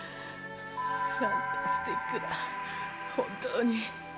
ファンタスティックだ本当に。